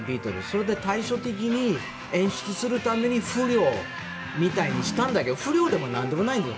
それで対照的に演出するために不良みたいにしたんだけど不良でも何でもないんです。